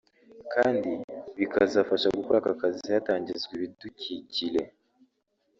kandi bikazafasha gukora aka kazi hatangizwa ibidukukile